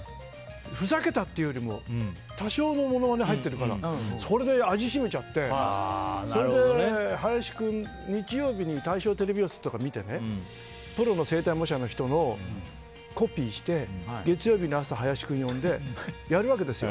ふざけたっていうよりも多少のモノマネ入ってるからそれで味を占めちゃってそれで、日曜日に見たプロの声帯模写の人のをコピーして月曜日の朝、林君を呼んでやるわけですよ。